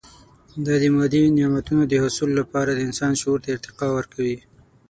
دا د مادي نعمتونو د حصول لپاره د انسان شعور ته ارتقا ورکوي.